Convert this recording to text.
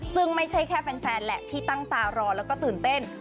ซึ่งไม่ใช่แค่แฟนแหละที่ตั้งตารอแล้วก็ตื่นเต้น